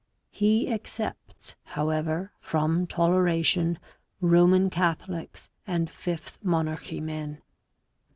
He excepts, however, from tolera tion Roman Catholics and Fifth Monarchy men.